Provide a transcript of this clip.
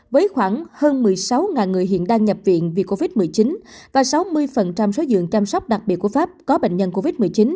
với khoảng hơn một mươi sáu người hiện đang nhập viện vì covid một mươi chín và sáu mươi số dưỡng chăm sóc đặc biệt của pháp có bệnh nhân covid một mươi chín